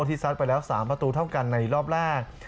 ซัดไปแล้ว๓ประตูเท่ากันในรอบแรก